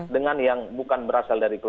dengan yang bukan berasal dari keluarga